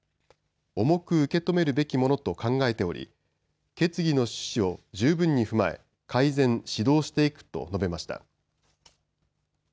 重く受け止めるべきものと考えており、決議の趣旨を十分に踏まえ改善・指導していくと述べました。